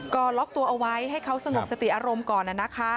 ก็ล็อกตัวเอาไว้ให้เขาสงบสติอารมณ์ก่อน